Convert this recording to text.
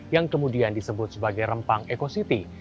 yang kemudian disebut sebagai rempang ekositi